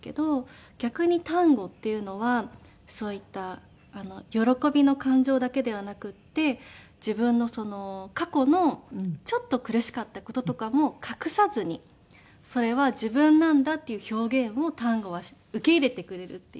逆にタンゴっていうのはそういった喜びの感情だけではなくて自分の過去のちょっと苦しかった事とかも隠さずにそれは自分なんだっていう表現をタンゴは受け入れてくれるっていうか。